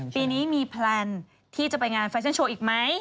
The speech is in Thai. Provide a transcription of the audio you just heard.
ปีนี้มีแพลนที่จะไปงานแฟชั่นโชว์อีกไหม